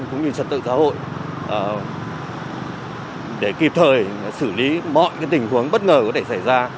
cũng như trật tự xã hội để kịp thời xử lý mọi tình huống bất ngờ có thể xảy ra